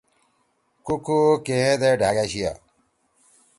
کو کو کیگیت اے ڈھأگ أشی۔